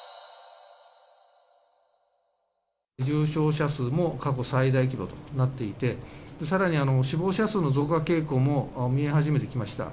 重症者数も過去最大規模となっていて、さらに死亡者数の増加傾向も見え始めてきました。